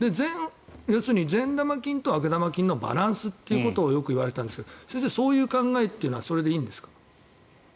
要するに善玉菌と悪玉菌のバランスということをよくいわれてたんですけど先生、そういう考えはそれでいいんですか？